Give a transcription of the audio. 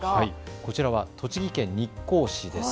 こちらは栃木県日光市です。